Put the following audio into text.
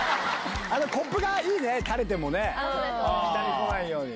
コップがいいね垂れても下に来ないように。